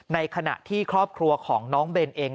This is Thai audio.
ในขณะที่ครอบครัวของน้องเบนเอง